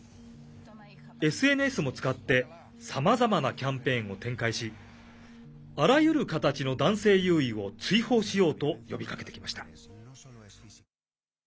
ＳＮＳも使ってさまざまなキャンペーンを展開しあらゆる形の男性優位を追放しようと呼びかけてきました。